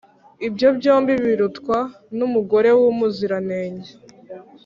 ibyo byombi birutwa n’umugore w’umuziranenge.